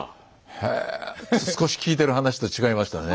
へえ少し聞いている話と違いましたね。